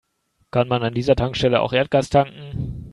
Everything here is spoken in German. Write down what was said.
Kann man an dieser Tankstelle auch Erdgas tanken?